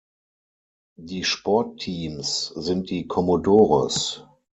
Die Sportteams sind die "Commodores".